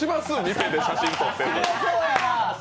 店で写真撮って。